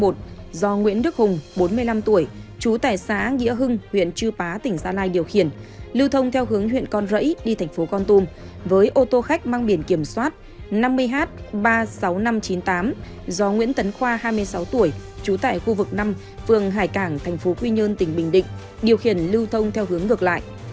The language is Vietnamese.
do nguyễn đức hùng bốn mươi năm tuổi chú tại xã nghĩa hưng huyện chư pá tỉnh gia lai điều khiển lưu thông theo hướng huyện con rẫy đi thành phố con tum với ô tô khách mang biển kiểm soát năm mươi h ba mươi sáu nghìn năm trăm chín mươi tám do nguyễn tấn khoa hai mươi sáu tuổi chú tại khu vực năm phường hải cảng thành phố quy nhơn tỉnh bình định điều khiển lưu thông theo hướng ngược lại